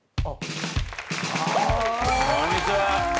こんにちは。